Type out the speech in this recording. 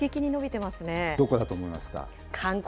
どこだと思いますか？